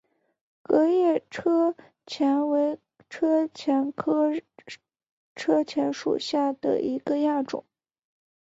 革叶车前为车前科车前属下的一个亚种。